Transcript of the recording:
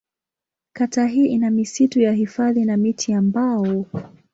Kata hii ina misitu ya hifadhi na miti ya mbao.